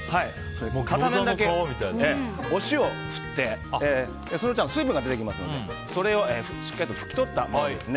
片面だけお塩を振ってそうしたら水分が出てきますので、それをしっかりと拭き取ったものです。